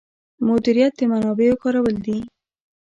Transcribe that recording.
مدیریت د منابعو کارول دي